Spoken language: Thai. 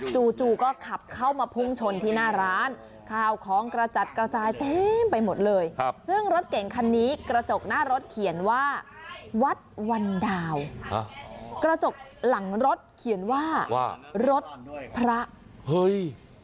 จู่ก็ขับเข้ามาพุ่งชนที่หน้าร้านข้าวของกระจัดกระจายเต็มไปหมดเลยครับซึ่งรถเก่งคันนี้กระจกหน้ารถเขียนว่าวัดวันดาวกระจกหลังรถเขียนว่าว่ารถพระเฮ้ย